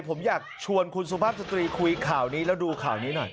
ผมอยากชวนคุณสุภาพสตรีคุยข่าวนี้แล้วดูข่าวนี้หน่อย